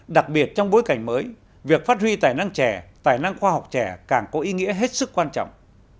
đặc biệt trong bối cảnh mới việc phát huy tài năng trẻ tài năng khoa học trẻ càng có ý nghĩa hết sức quan trọng